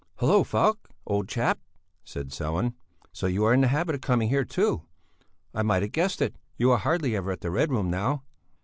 "Hallo! Falk, old chap!" said Sellén. "So you are in the habit of coming here too? I might have guessed it, you are hardly ever at the Red Room now."